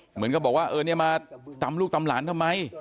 เหมือนกับบอกว่าเออเนี่ยมาตำลูกตำหลานทำไม